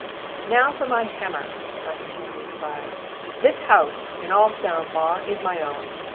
"Now for my hammer," my companion cried. "This house, in all sound law, is my own.